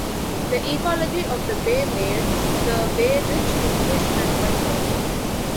The ecology of the bay made the bay rich in fish and oysters.